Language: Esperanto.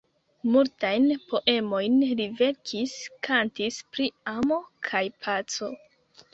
Multajn poemojn li verkis, kantis pri amo kaj paco.